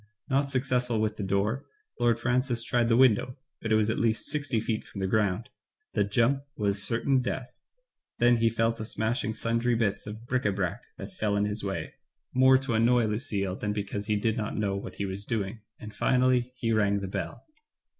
Not suc cessful with the door. Lord Francis tried the window, but it was at least sixty feet from the ground — the jump was certain death — then he fell to smashing sundry bits of bric a brac that fell in his way — more to annoy Lucille than because he did not know what he was doing ; and finally he rang the bell.